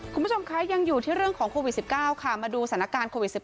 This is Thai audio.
คุณผู้ชมคะยังอยู่ที่เรื่องของโควิด๑๙ค่ะมาดูสถานการณ์โควิด๑๙